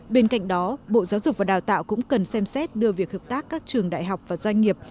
bên cạnh đó bộ giáo dục và đào tạo cũng cần xem xét đưa việc hợp tác các trường đại học và doanh nghiệp